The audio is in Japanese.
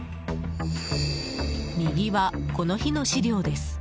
右は、この日の資料です。